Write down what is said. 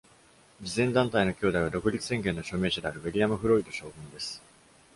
慈善団体の兄弟は、独立宣言の署名者であるウィリアムフロイト将軍です。